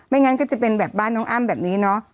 งั้นก็จะเป็นแบบบ้านน้องอ้ำแบบนี้เนาะ